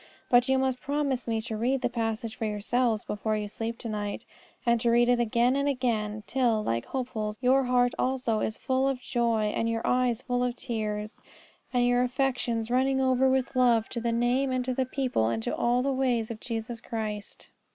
But you must promise me to read the passage for yourselves before you sleep to night; and to read it again and again till, like Hopeful's, your heart also is full of joy, and your eyes full of tears, and your affections running over with love to the name and to the people and to all the ways of Jesus Christ.